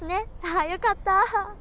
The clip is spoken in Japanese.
あよかった。